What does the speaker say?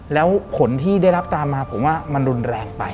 แล้วผลที่ได้รับตามมาผมว่ามันรุนแรงไป